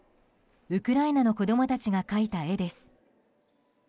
ウクライナの子供たちが描いた絵です。